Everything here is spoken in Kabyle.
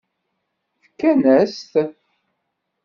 Fkan-as-t?